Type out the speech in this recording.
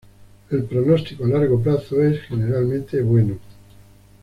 El pronóstico a largo plazo es generalmente bueno.